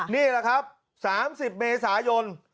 นี่แหละครับ๓๐เมษายน